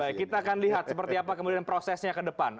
baik kita akan lihat seperti apa kemudian prosesnya ke depan